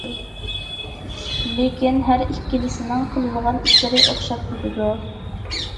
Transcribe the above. لېكىن ھەر ئىككىلىسىنىڭ قىلىدىغان ئىشلىرى ئوخشاپ كېتىدۇ.